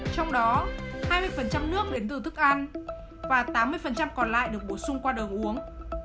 trong đó hai mươi nước đến từ thức ăn và tám mươi còn lại được bổ sung qua đồ uống